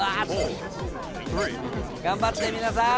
頑張って皆さん！